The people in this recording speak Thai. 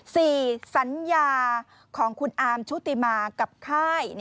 สัญญาของคุณอาร์มชุติมากับค่าย